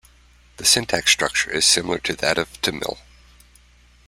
The syntax structure is similar to that of Tamil.